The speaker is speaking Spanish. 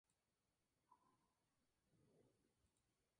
S. Austral.